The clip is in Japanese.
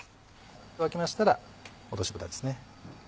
沸きましたら落としぶたですね。